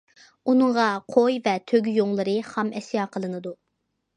ئۇنىڭغا قوي ۋە تۆگە يۇڭلىرى خام ئەشيا قىلىنىدۇ.